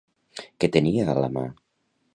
Què tenia a la mà?